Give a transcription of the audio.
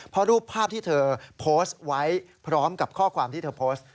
เพราะรูปภาพที่เธอโพสต์ไว้พร้อมกับข้อความที่เธอโพสต์